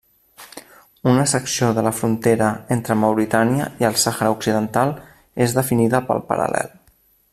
Una secció de la frontera entre Mauritània i el Sàhara Occidental és definida pel paral·lel.